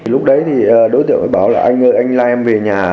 lúc đấy thì đối tượng mới bảo là anh ơi anh lai em về nhà